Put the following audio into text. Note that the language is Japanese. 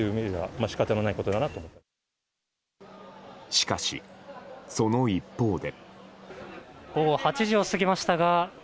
しかし、その一方で。